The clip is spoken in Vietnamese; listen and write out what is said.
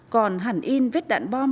còn hẳn in vết đạn bom